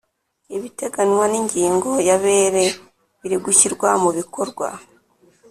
Ibiteganywa n ‘ingingo yabere birigushyirwa mubikorwa.